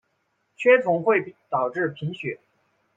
缺铜会导致贫血。